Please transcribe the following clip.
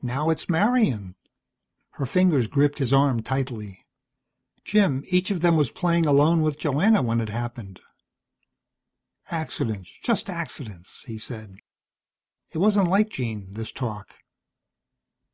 Now it's Marian." Her fingers gripped his arm tightly. "Jim, each of them was playing alone with Joanna when it happened." "Accidents, just accidents," he said. It wasn't like Jean, this talk.